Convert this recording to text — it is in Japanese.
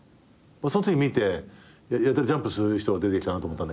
そのとき見てやたらジャンプする人が出てきたなと思ったんだけど。